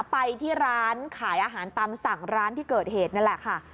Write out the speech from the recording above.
ไปที่ร้านขายอาหารตามสั่งร้านที่เกิดเหตุนั่นแหละค่ะ